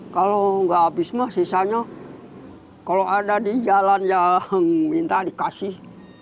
kalau nggak habis mah sisanya kalau ada di jalan ya minta dikasih